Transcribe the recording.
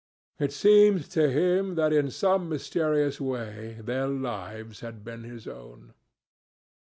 It seemed to him that in some mysterious way their lives had been his own.